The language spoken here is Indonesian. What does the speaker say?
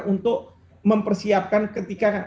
untuk mempersiapkan ketika